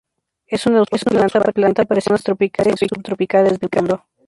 Es una usual planta presente en las zonas tropicales y subtropicales del mundo.